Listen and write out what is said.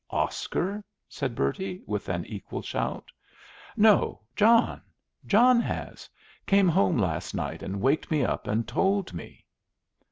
"Oscar?" said Bertie, with an equal shout. "No, John. John has. Came home last night and waked me up and told me."